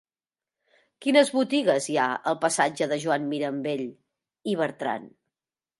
Quines botigues hi ha al passatge de Joan Mirambell i Bertran?